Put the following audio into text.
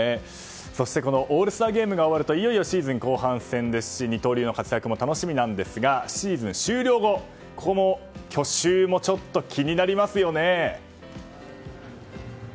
そしてオールスターゲームが終わるとシーズン後半ですし二刀流の活躍も楽しみなんですがシーズン終了後この去就も気になりますよね。